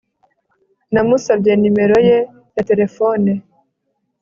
Namusabye nimero ye ya terefone